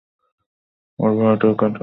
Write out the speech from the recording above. ওর ভয়টা কাটানো দরকার!